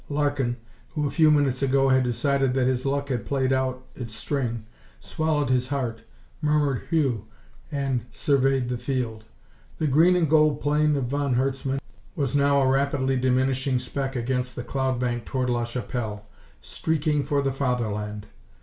Larkin, who a few minutes ago had decided that his luck had played out its string, swallowed his heart, murmured "Whew!" and surveyed the field. The green and gold plane of von Herzmann was now a rapidly diminishing speck against the cloud bank toward la Chapelle, streaking for the Fatherland.